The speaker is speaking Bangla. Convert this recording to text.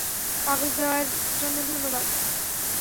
কাগজ দেওয়ার জন্য ধন্যবাদ।